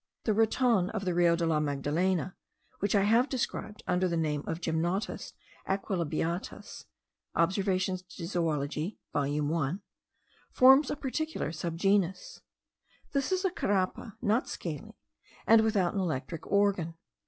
The raton of the Rio de la Magdalena, which I have described under the name of Gymnotus aequilabiatus (Observations de Zoologie volume 1) forms a particular sub genus. This is a Carapa, not scaly, and without an electric organ.